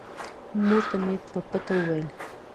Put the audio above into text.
مور ته مې په پټه وويل.